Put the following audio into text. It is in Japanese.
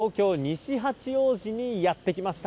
東京・西八王子にやってきました。